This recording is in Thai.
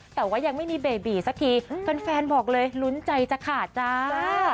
แต่ว่ายังไม่มีเบบีสักทีแฟนบอกเลยลุ้นใจจะขาดจ้า